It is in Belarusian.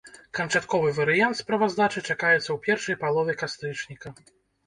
Канчатковы варыянт справаздачы чакаецца ў першай палове кастрычніка.